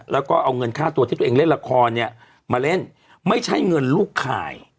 แล้วก็เอาเงินค่าตัวที่ตัวเองเล่นละครเนี่ยมาเล่นไม่ใช่เงินลูกข่าย